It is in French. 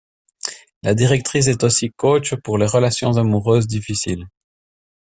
La directrice est aussi coach pour les relations amoureuses difficiles.